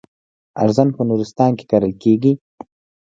ارزن په نورستان کې کرل کیږي.